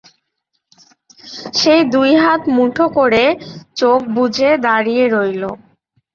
সেই দুই হাত মুঠো করে চোখ বুজে দাঁড়িয়ে রইল।